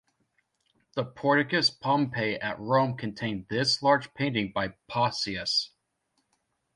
The Porticus Pompei at Rome contained this large painting by Pausias.